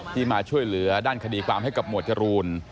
มาช่วยเหลือด้านคดีความให้กับหมวดจรูน